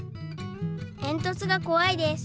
えんとつがこわいです。